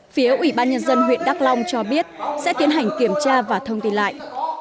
phía ủy ban nhân dân huyện đắk long cho biết sẽ tiến hành kiểm tra và thông tin lại